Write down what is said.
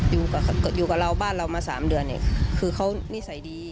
อยู่กับอยู่กับเราบ้านเรามา๓เดือนเนี่ยคือเขานิสัยดี